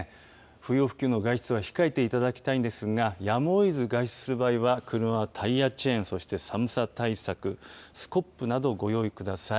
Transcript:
不要不急の外出は控えていただきたいんですが、やむをえず外出する場合は、車はタイヤチェーン、それから寒さ対策、スコップなどご用意ください。